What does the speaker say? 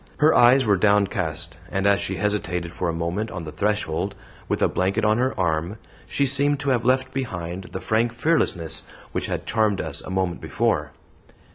Her eyes were downcast, and as she hesitated for a moment on the threshold, with a blanket on her arm, she seemed to have left behind her the frank fearlessness which had charmed us a moment before.